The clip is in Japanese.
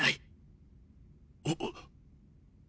あっ。